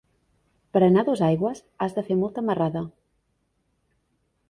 Per anar a Dosaigües has de fer molta marrada.